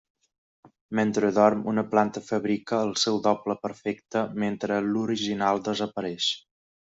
Mentre dorm, una planta fabrica el seu doble perfecte, mentre l'original desapareix.